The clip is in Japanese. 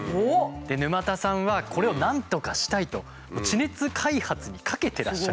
沼田さんはこれをなんとかしたいと地熱開発に懸けてらっしゃる。